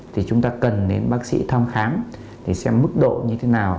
thì chúng ta cần đến bác sĩ thăm khám để xem mức độ như thế nào